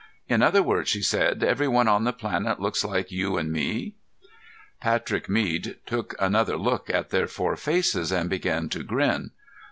"In other words," she said, "everyone on the planet looks like you and me?" Patrick Mead took another look at their four faces and began to grin.